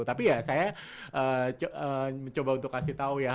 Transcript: tapi ya saya coba untuk kasih tau ya